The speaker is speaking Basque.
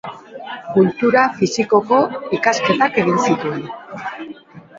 Kultura fisikoko ikasketak egin zituen.